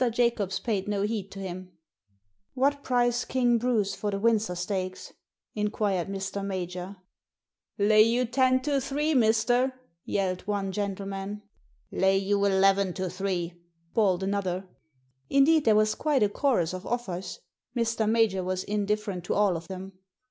Jacobs paid no heed to him. " What price King Bruce for the Windsor Stakes?" inquired Mr. Major. " Lay you ten to three, mister," yelled one gentle man. Digitized by VjOOQIC 134 THE SEEN AND THE UNSEEN " Lay you eleven to three," bawled another. Indeed, there was quite a chorus of offers. Mr. Major was indifferent to all of them.